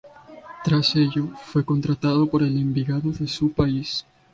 Tras ello fue contratado por el Envigado de su país.